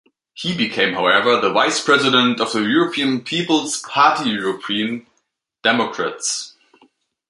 He became, however, the Vice-President of the European People's Party-European Democrats.